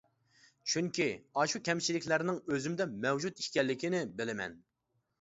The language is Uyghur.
چۈنكى ئاشۇ كەمچىلىكلەرنىڭ ئۆزۈمدە مەۋجۇت ئىكەنلىكىنى بىلىمەن.